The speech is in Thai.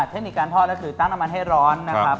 เทคนิคการทอดก็คือตั้งน้ำมันให้ร้อนนะครับ